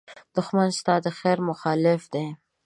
دښمن ستا د خېر مخالف دی